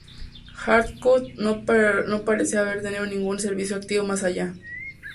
Heathcote no parece haber tenido ningún servicio activo más allá.